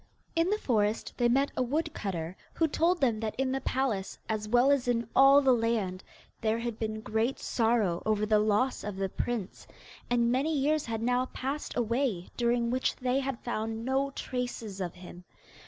In the forest they met a woodcutter, who told them that in the palace, as well as in all the land, there had been great sorrow over the loss of the prince, and many years had now passed away during which they had found no traces of him.